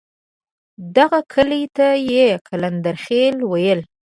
دغه کلي ته یې قلندرخېل ویل.